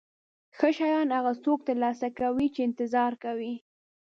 ښه شیان هغه څوک ترلاسه کوي چې انتظار کوي.